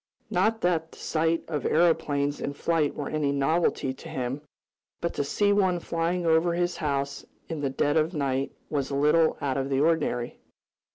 Not that the sight of aeroplanes in flight were any novelty to him, but to see one flying over his house in the dead of night was a little out of the ordinary.